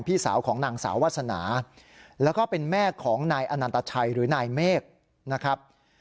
พี่สาวของนางสาววาสนาแล้วก็เป็นแม่ของนายอนันตชัยหรือนายเมฆนะครับ